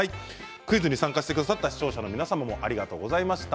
クイズに参加してくださった視聴者の皆さんもありがとうございました。